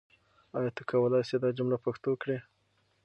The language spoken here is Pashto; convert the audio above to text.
آیا ته کولای سې دا جمله پښتو کړې؟